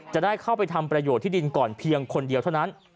จะได้เข้าไปทำประโยชน์ที่ดินก่อนเพียงคนเดียวเท่านั้น